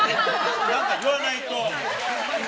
なんか言わないと。